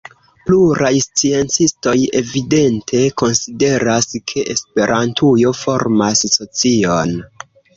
Pluraj sciencistoj evidente konsideras, ke Esperantujo formas socion.